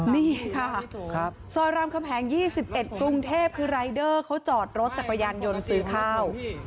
นี่ค่ะซอยรามคำแหง๒๑กรุงเทพคือรายเดอร์เขาจอดรถจักรยานยนต์ซื้อข้าว